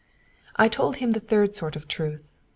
I told him the third sort of truth.